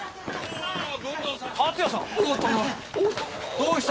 どうした？